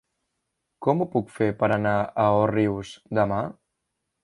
Com ho puc fer per anar a Òrrius demà?